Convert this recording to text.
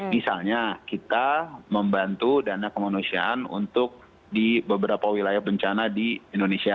misalnya kita membantu dana kemanusiaan untuk di beberapa wilayah bencana di indonesia